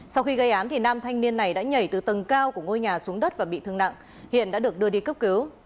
sau khi gây án nam thanh niên này đã nhảy từ tầng cao của ngôi nhà xuống đất và bị thương nặng hiện đã được đưa đi cấp cứu